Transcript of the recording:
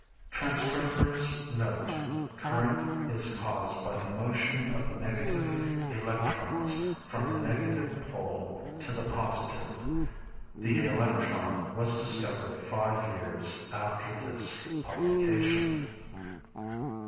[Transcriber's note: Current is caused by the motion of negative electrons, from the negative pole to the positive. The electron was discovered five years after this publication.